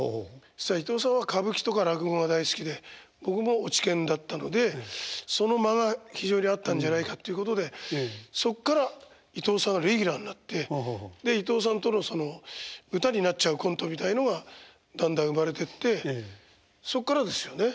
そしたら伊東さんは歌舞伎とか落語が大好きで僕も落研だったのでその間が非常に合ったんじゃないかということでそっから伊東さんがレギュラーになってで伊東さんとのその歌になっちゃうコントみたいのがだんだん生まれてってそっからですよね。